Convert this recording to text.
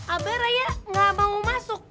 abah raya gak mau masuk